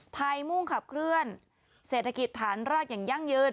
มุ่งขับเคลื่อนเศรษฐกิจฐานรากอย่างยั่งยืน